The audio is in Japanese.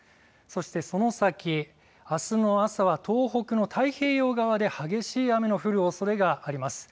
そして、その先、あすの朝は東北の太平洋側で激しい雨の降るおそれがあります。